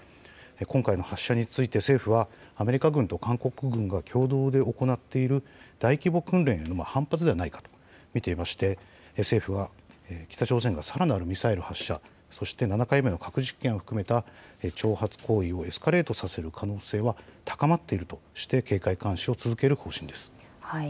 今回の発射について政府はアメリカ軍と韓国軍が共同で行っている大規模訓練への反発ではないかと見ていまして政府は北朝鮮がさらなるミサイル発射、そして７回目の核実験を含めた挑発行為をエスカレートさせる可能性は高まっているとして警戒監視を続ける方針です。